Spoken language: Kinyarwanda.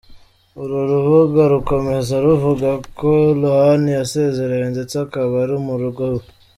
Uru rubuga rukomeza ruvuga ko Lohan yasezerewe ndetse akaba ari mu rugo iwe.